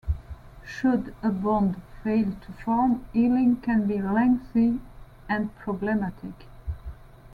Should a bond fail to form, healing can be lengthy and problematic.